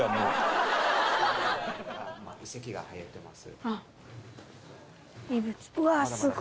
遺跡が入ってます。